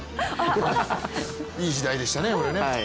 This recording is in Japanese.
いい時代でしたね。